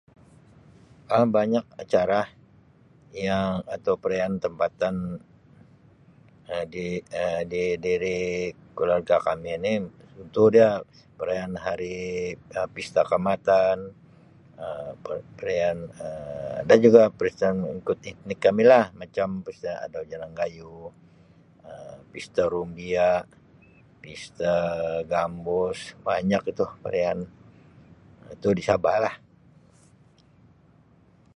Um Banyak acara yang- atau perayaan tempatan Um di- Um di- diri- keluarga kami ni itu dia perayaan hari Um Pista Kaamatan, Um per- perayaan- Um dan juga [unintelligible] mengikut etnik kami lah. Macam pista [unintelligible] Gayuh, Um pista Rugia, pista Gambus. Banyak ituh, perayaan. Um Itu di Sabah lah.